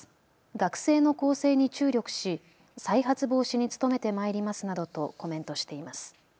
学生の更生に注力し再発防止に努めてまいりますなどとコメントしています。